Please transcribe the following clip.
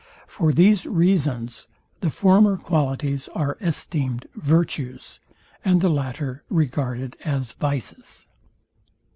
For these reasons the former qualities are esteemed virtues, and the latter regarded as vices.